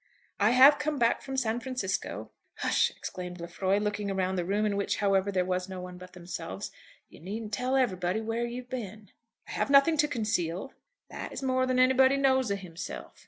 "I have come back from San Francisco." "H'sh!" exclaimed Lefroy, looking round the room, in which, however, there was no one but themselves. "You needn't tell everybody where you've been." "I have nothing to conceal." "That is more than anybody knows of himself.